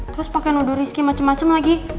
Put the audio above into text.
terus pake nudur rizky macem macem lagi